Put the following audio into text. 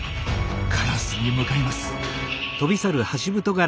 カラスに向かいます。